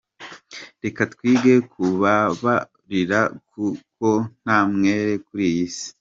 Reka twige kubabarira kuko nta mwere kuri iyi si.